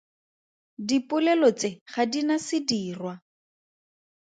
Dipolelo tse ga di na sedirwa.